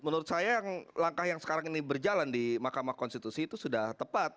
menurut saya yang langkah yang sekarang ini berjalan di mahkamah konstitusi itu sudah tepat